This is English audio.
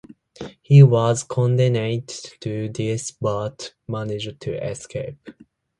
He was condemned to death but managed to escape.